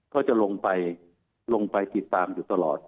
ก็จะลงไปติดตามอยู่ตลอด